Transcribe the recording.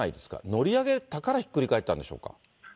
乗り上げたからひっくり返ったんでしょうか。